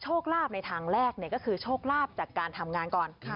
ลาบในทางแรกก็คือโชคลาภจากการทำงานก่อน